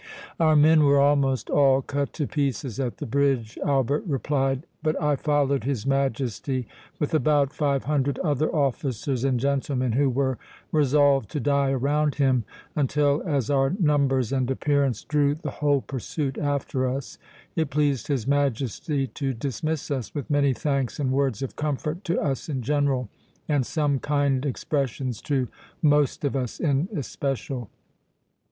"Our men were almost all cut to pieces at the bridge," Albert replied; "but I followed his Majesty with about five hundred other officers and gentlemen, who were resolved to die around him, until as our numbers and appearance drew the whole pursuit after us, it pleased his Majesty to dismiss us, with many thanks and words of comfort to us in general, and some kind expressions to most of us in especial.